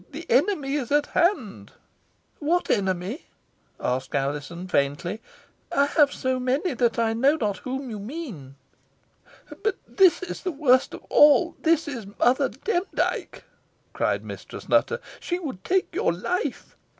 The enemy is at hand." "What enemy?" asked Alizon, faintly. "I have so many, that I know not whom you mean." "But this is the worst of all this is Mother Demdike," cried Mistress Nutter. "She would take your life.